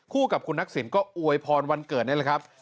กับคุณทักษิณก็อวยพรวันเกิดนี่แหละครับ